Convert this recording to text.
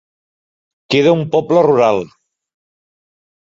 Queda un poble rural.